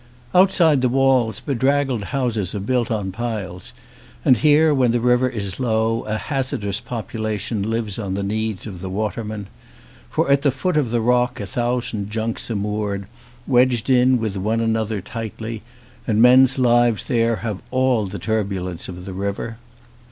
Outside the walls bedraggled houses are built on piles, and here, when the river is low, a hazardous population lives on the needs of the watermen; for at the foot of the rock a thousand junks are moored, wedged in with one another tightly, and men's lives there have all the turbulence of the river.